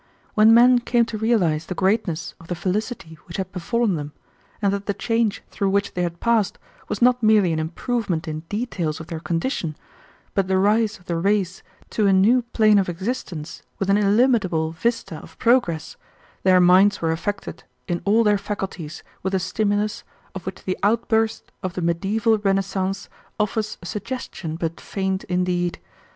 When men came to realize the greatness of the felicity which had befallen them, and that the change through which they had passed was not merely an improvement in details of their condition, but the rise of the race to a new plane of existence with an illimitable vista of progress, their minds were affected in all their faculties with a stimulus, of which the outburst of the mediaeval renaissance offers a suggestion but faint indeed.